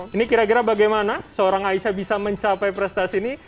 ini kira kira bagaimana seorang aisyah bisa mencapai prestasi ini